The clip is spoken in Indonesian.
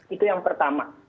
itu yang pertama